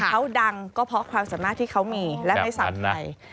เขาดังก็เพราะความสามารถที่เขามีและไม่สั่งใคร